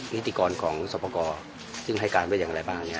นิติกรของสรรพกรซึ่งให้การว่าอย่างไรบ้างเนี่ย